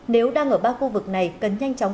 nếu đang ở ba khu vực này cần nhanh chóng